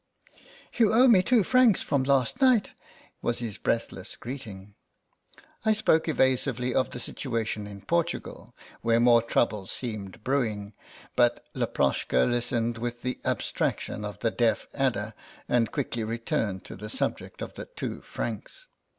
" You owe me two francs from last night," was his breathless greeting. I spoke evasively of the situation in Portugal, where more trouble seemed brewing. But THE SOUL OF LAPLOSHKA 69 Laploshka listened with the abstraction of the deaf adder, and quickly returned to the subject of the two francs.